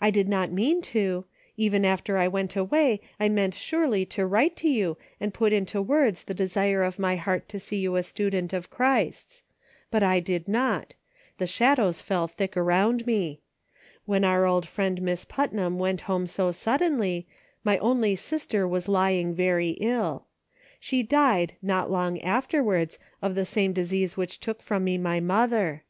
I did not mean to ; even after I went away, I meant surely to write to you and put into words the desire of my heart to see you a student of Christ's. But I did not ; the shadows fell thick around me. When our old friend Miss Putnam went home so suddenly, my only sister was lying very ill. She died not long afterwards of the same disease which took from me my mother.